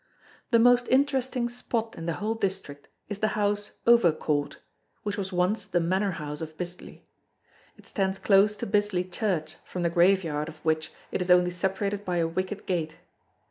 The most interesting spot in the whole district is the house "Overcourt," which was once the manor house of Bisley. It stands close to Bisley church from the grave yard of which it is only separated by a wicket gate.